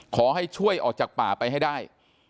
ขอให้ช่วยออกจากป่าไปให้ได้